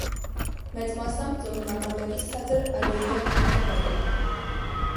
Մեծ մասամբ ծովի մակարդակից ցածր ալյուվիալ հարթավայր է։